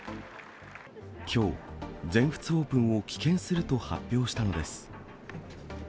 きょう、全仏オープンを棄権すると発表したのです。